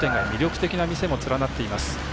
魅力的な店も連なっています。